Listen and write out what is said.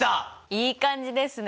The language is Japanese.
いい感じですね。